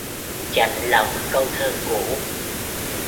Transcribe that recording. Chạnh lòng câu thơ cũ